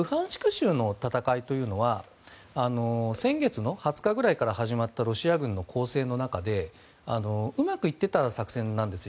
州の戦いというのは先月２０日ぐらいから始まったロシア軍の攻勢の中でうまくいっていた作戦なんです。